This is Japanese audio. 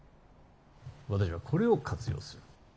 私はこれを活用する。